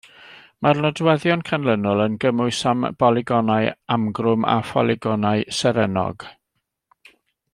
Mae'r nodweddion canlynol yn gymwys am bolygonau amgrwm a pholygonau serennog.